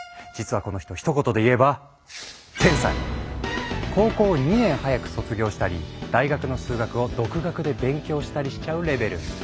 実はこの人ひと言でいえば高校を２年早く卒業したり大学の数学を独学で勉強したりしちゃうレベル。